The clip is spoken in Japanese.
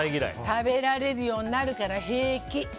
食べられるようになるから平気。